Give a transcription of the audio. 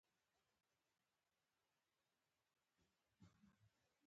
چینایان د سرو زرو ډېره مینه لري.